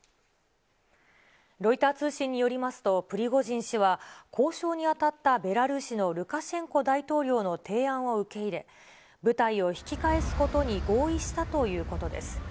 ロイター通信によりますと、プリゴジン氏は、交渉に当たったベラルーシのルカシェンコ大統領の提案を受け入れ、部隊を引き返すことに合意したということです。